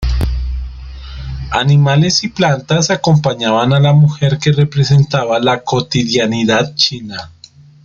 Animales y plantas acompañaban a la mujer que representaba la cotidianidad china.